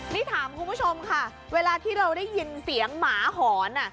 นี่ถามคุณผู้ชมค่ะเวลาที่เราได้ยินเสียงหมาหอน